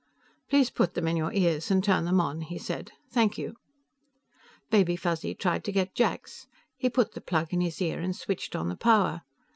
"Please put them in your ears and turn them on," he said. "Thank you." Baby Fuzzy tried to get Jack's. He put the plug in his ear and switched on the power.